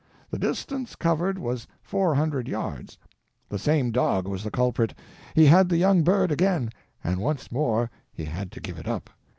The distance covered was four hundred yards. The same dog was the culprit; he had the young bird again, and once more he had to give it up.